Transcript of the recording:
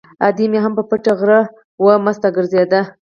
ادې مې هم په پټي غره وه، مسته ګرځېده.